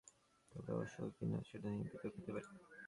তবে অসত্য কি না, সেটা নিয়ে বিতর্ক হতে পারে।